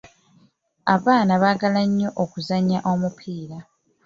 Abaana baagala nnyo okuzannya omupiira.